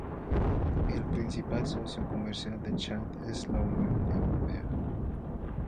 El principal socio comercial de Chad es la Unión Europea.